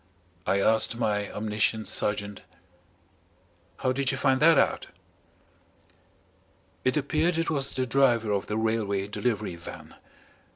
I asked my omniscient sergeant: "How did you find that out?" It appeared it was the driver of the Railway Delivery Van.